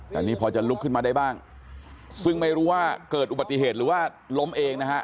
แต่นี่พอจะลุกขึ้นมาได้บ้างซึ่งไม่รู้ว่าเกิดอุบัติเหตุหรือว่าล้มเองนะฮะ